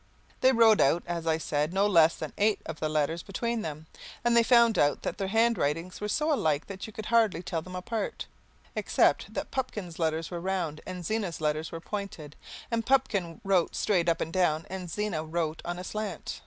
They wrote out, as I said, no less than eight of the letters between them, and they found out that their handwritings were so alike that you could hardly tell them apart, except that Pupkin's letters were round and Zena's letters were pointed and Pupkin wrote straight up and down and Zena wrote on a slant.